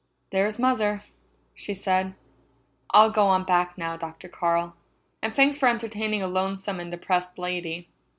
"There's Mother," she said. "I'll go on back now, Dr. Carl, and thanks for entertaining a lonesome and depressed lady."